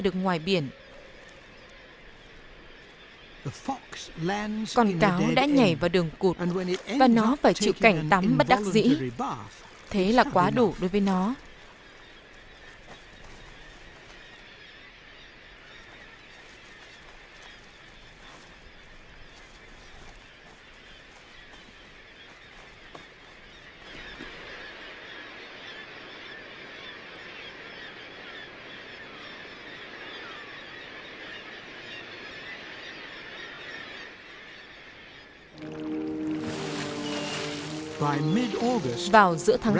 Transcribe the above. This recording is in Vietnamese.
còn cáo đã nhảy vào đường cụt và nó phải chịu cảnh tắm bất đắc dĩ thế là quá đủ đối với nó